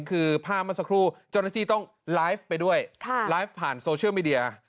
คือภาพเมื่อสักครู่เจ้าหน้าที่ต้องไลฟ์ไปด้วยไลฟ์ผ่านโซเชียลมีเดีย